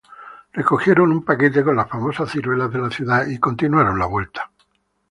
Recogieron un paquete con las famosas ciruelas de la ciudad y continuaron la vuelta.